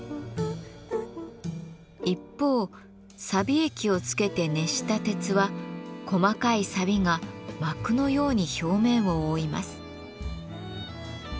一方さび液をつけて熱した鉄は細かいさびが膜のように表面を覆います。